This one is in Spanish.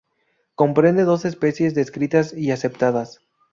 Comprende dos especies descritas y aceptadas.